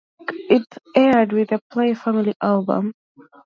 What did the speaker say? It aired with the play "Family Album".